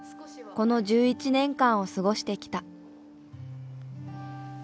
この１１年間を過ごしてきた。